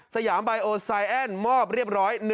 สยามบายโอไซแอนด์มอบเรียบร้อย